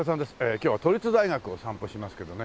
今日は都立大学を散歩しますけどね